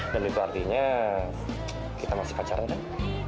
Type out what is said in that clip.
dan itu artinya kita masih pacaran kan